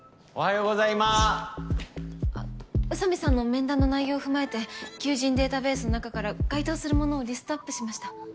あっ宇佐美さんの面談の内容を踏まえて求人データベースの中から該当するものをリストアップしました。